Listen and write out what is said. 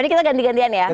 jadi kita ganti gantian ya